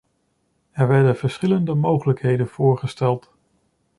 Er werden verschillende mogelijkheden voorgesteld.